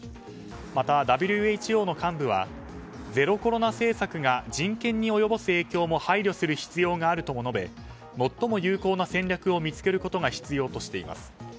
また、ＷＨＯの幹部はゼロコロナ政策が人権に及ぼす影響も配慮する必要があるとも述べ最も有効な戦略を見つけることが必要としています。